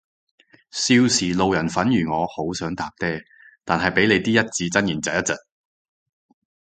少時路人粉如我好想搭嗲，但係被你啲一字真言疾一疾